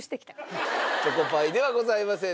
チョコパイではございません。